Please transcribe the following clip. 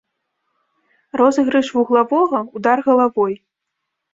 Розыгрыш вуглавога, удар галавой.